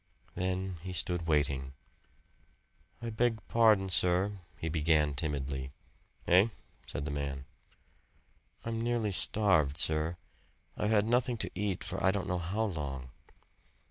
Then he stood waiting. "I beg pardon, sir," he began timidly. "Hey?" said the man. "I'm nearly starved, sir. I've had nothing to eat for I don't know how long."